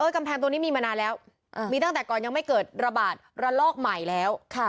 กำแพงตัวนี้มีมานานแล้วมีตั้งแต่ก่อนยังไม่เกิดระบาดระลอกใหม่แล้ว